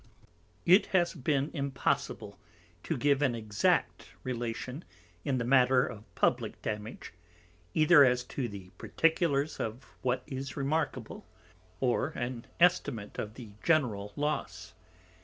It has been impossible to give an exact relation in the matter of publick Damage, either as to the particulars of what is remarkeable, or an Estimate of the general loss.